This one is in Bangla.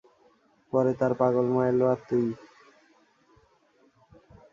পরে তার পাগল মা এলো আর তুই।